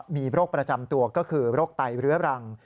มีโรคประจำตัวก็คือโรคไตเรื้อรัง